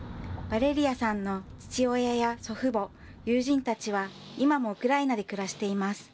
ヴァレリアさんの父親や祖父母、友人たちは、今もウクライナで暮らしています。